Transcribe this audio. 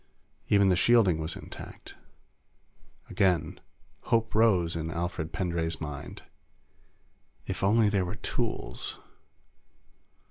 Even the shielding was intact. Again, hope rose in Alfred Pendray's mind. If only there were tools!